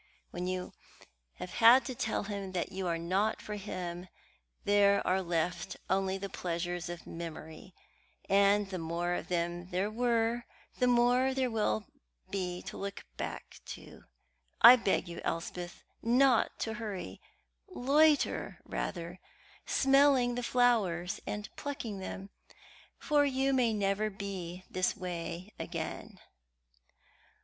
When you have had to tell him that you are not for him, there are left only the pleasures of memory, and the more of them there were, the more there will be to look back to. I beg you, Elspeth, not to hurry; loiter rather, smelling the flowers and plucking them, for you may never be this way again."